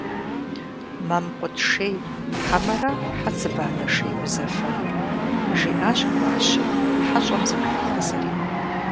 «Мэмкъут шей, хьэмэрэ хьэцыбанэ шей узэфэнур?» - жиӏащ Гуащэ, хьэщӏэм зыхуигъазэри.